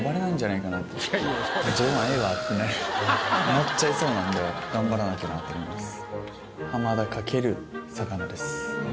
思っちゃいそうなんで頑張らなきゃなと思います。